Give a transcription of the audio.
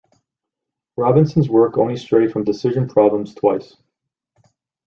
Robinson's work only strayed from decision problems twice.